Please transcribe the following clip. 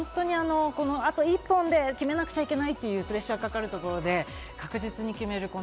あと１本で決めなきゃいけないと、プレッシャーのかかるところで確実に決める。